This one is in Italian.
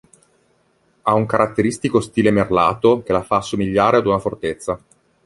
Ha un caratteristico stile merlato che la fa somigliare ad una fortezza.